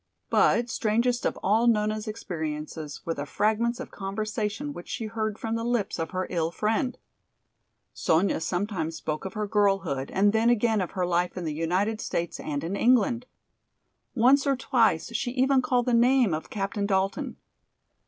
But strangest of all Nona's experiences were the fragments of conversation which she heard from the lips of her ill friend. Sonya sometimes spoke of her girlhood and then again of her life in the United States and in England. Once or twice she even called the name of Captain Dalton.